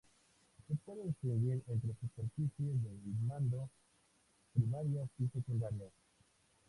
Se puede distinguir entre superficies de mando primarias y secundarias.